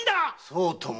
そうとも。